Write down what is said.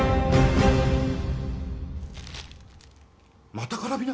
またカラビナ？